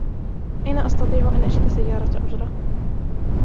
أين أستطيع أن أجد سيارة أجرة؟